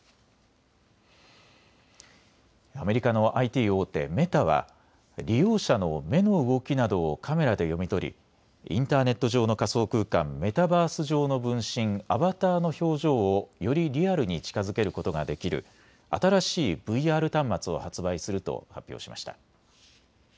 アメリカのＩＴ大手、メタは利用者の目の動きなどをカメラで読み取りインターネット上の仮想空間・メタバース上の分身、アバターの表情をよりリアルに近づけることができる新しいＶＲ端末を発売すると発表しました。